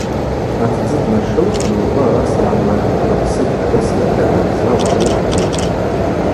Атдзы днашылхын лгвы араса йгӏанагтӏ: Апсы днарыскӏьата абза угӏайыхъ – хӏва.